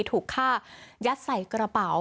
ถูกฆ่ายัดใส่กระเป๋า